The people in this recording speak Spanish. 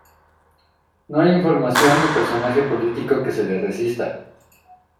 No hay información ni personaje político que se le resista.